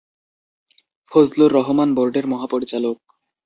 ফজলুর রশিদ বোর্ডের মহাপরিচালক।